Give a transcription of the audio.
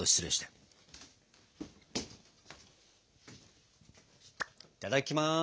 いただきます！